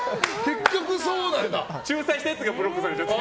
仲裁したやつがブロックされちゃって。